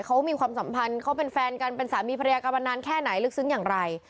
เขามีความสัมพันธ์เขาเป็นแฟนกันเป็นสามีภรรยากันมานานแค่ไหนลึกซึ้งอย่างไร